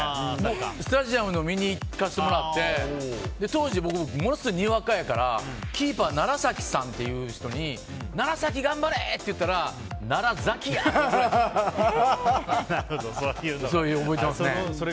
スタジアムに見に行かせてもらって当時、僕はものすごいにわかやからキーパーの楢崎さんという人に楢崎、頑張れ！って言ったら「ならざき」やって言われて。